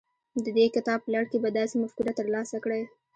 د دې کتاب په لړ کې به داسې مفکوره ترلاسه کړئ.